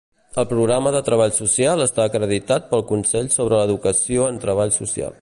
El programa de treball social està acreditat pel Consell sobre Educació en Treball Social.